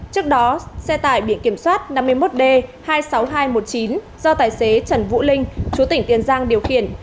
trước đó xe tải bị kiểm soát năm mươi một d hai mươi sáu nghìn hai trăm một mươi chín do tài xế trần vũ linh chú tỉnh tiền giang điều khiển